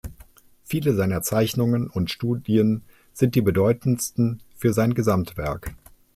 Viele seiner Zeichnungen und Studien sind die bedeutendsten für sein Gesamtwerk.